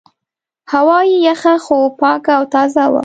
هوا یې یخه خو پاکه او تازه وه.